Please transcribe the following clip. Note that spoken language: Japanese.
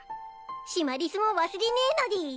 シマリスも忘れねいのでぃす。